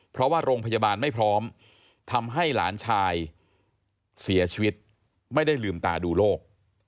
เพราะว่าโรงพยาบาลไม่พร้อมทำให้หลานชายเสียชีวิตไม่ได้ลืมตาดูโรค